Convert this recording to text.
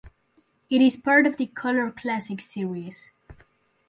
It is part of the "Color Classics" series.